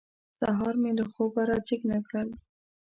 سهار مې له خوبه را جېګ نه کړل.